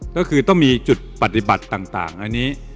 ก็คือต้องมีจุดปฏิบัติต่างอันนี้